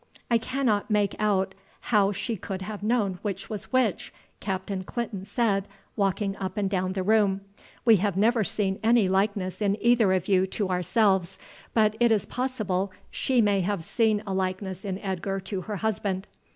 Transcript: "I cannot make out how she could have known which was which," Captain Clinton said, walking up and down the room; "we have never seen any likeness in either of you to ourselves, but it is possible she may have seen a likeness in Edgar to her husband.